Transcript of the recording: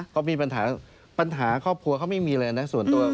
เขามีปัญหาปัญหาครอบครัวเขาไม่มีเลยนะส่วนตัว